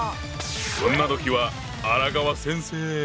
そんな時は荒川先生！